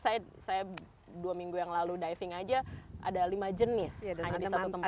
saya dua minggu yang lalu diving aja ada lima jenis hanya di satu tempat